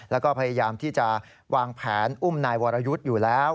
แล้วก็พยายามที่จะวางแผนอุ้มนายวรยุทธ์อยู่แล้ว